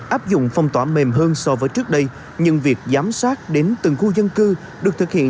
áp dụng phong tỏa mềm hơn so với trước đây nhưng việc giám sát đến từng khu dân cư được thực hiện